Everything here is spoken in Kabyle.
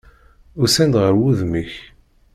Usan-d ɣer wudem-ik.